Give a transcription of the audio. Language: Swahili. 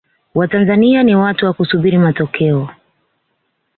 watanzania ni watu wa kusubiri matokeo